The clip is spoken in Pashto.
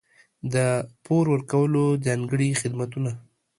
د پور ورکولو ځانګړي خدمتونه.